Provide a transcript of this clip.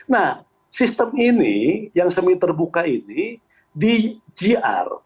nah sistem ini yang semi terbuka ini di gr